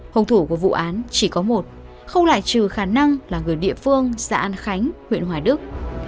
hồng thủ của vụ án chỉ có một không lại trừ khả năng là người địa phương xã an khánh huyện hoài đức